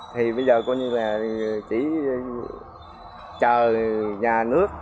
thì bây giờ coi như là chỉ chờ nhà nước